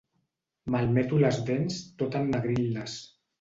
Malmeto les dents tot ennegrint-les.